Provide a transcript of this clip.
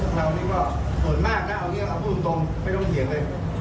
พวกเรานี่ก็โดนมากนะเอาจริงเอาพูดตรงไม่ต้องเขียนเลย